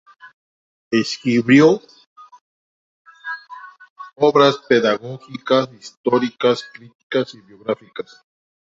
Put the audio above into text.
Escribió obras pedagógicas, históricas, críticas y biográficas.